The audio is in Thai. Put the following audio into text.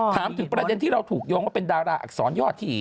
ถามถึงประเด็นที่เราถูกโยงว่าเป็นดาราอักษรย่อถี่